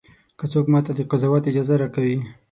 که څوک ماته د قضاوت اجازه راکوي.